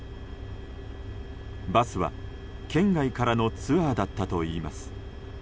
バスは県外からのツアーだったといいます。